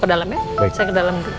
ke dalam ya saya ke dalam siap